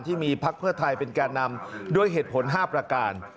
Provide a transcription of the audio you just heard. พักเพื่อไทยเป็นแก่นำด้วยเหตุผล๕ประการ